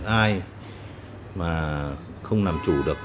ai mà không làm chủ được